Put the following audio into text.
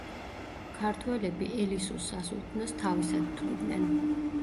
ქართველები ელისუს სასულთნოს თავისად თვლიდნენ.